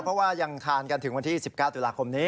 เพราะว่ายังทานกันถึงวันที่๑๙ตุลาคมนี้